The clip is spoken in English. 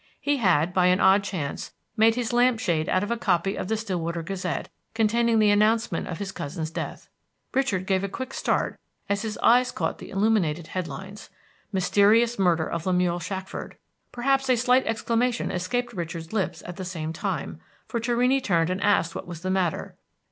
He had, by an odd chance, made his lampshade out of a copy of The Stillwater Gazette containing the announcement of his cousin's death. Richard gave a quick start as his eye caught the illuminated head lines, Mysterious Murder of Lemuel Shackford! Perhaps a slight exclamation escaped Richard's lips at the same time, for Torrini turned and asked what was the matter.